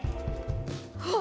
あっ！